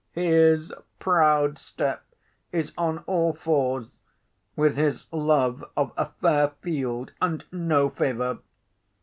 "His proud step is on all fours with his love of a fair field and no favour.